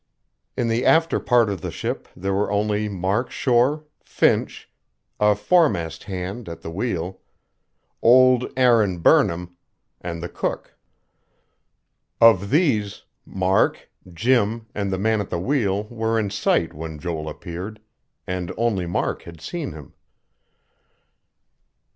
In the after part of the ship there were only Mark Shore, Finch, a foremast hand at the wheel, old Aaron Burnham, and the cook. Of these, Mark, Jim, and the man at the wheel were in sight when Joel appeared; and only Mark had seen him.